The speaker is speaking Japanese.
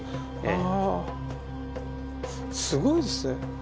ああすごいですね。